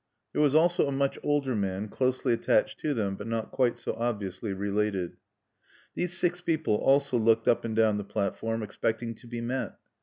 There was also a much older man, closely attached to them, but not quite so obviously related. These six people also looked up and down the platform, expecting to be met.